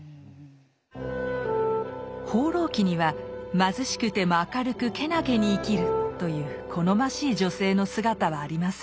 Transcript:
「放浪記」には「貧しくても明るくけなげに生きる」という好ましい女性の姿はありません。